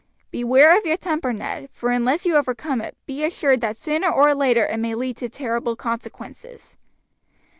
"Beware of your temper, Ned, for unless you overcome it, be assured that sooner or later it may lead to terrible consequences."